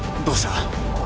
どうした？